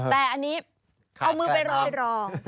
แต่อันนี้เอามือไปโรยรอง